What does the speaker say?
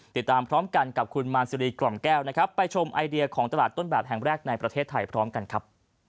ติดตามพร้อมกันกับคุณมารซิรีกล่อมแก้วนะครับไปชมไอเดียของตลาดต้นแบบแห่งแรกในประเทศไทยพร้อมกันครับ